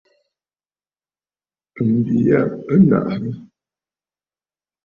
M̀bi ya ɨ nàʼàrə̀.